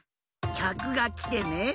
きゃくがきてね。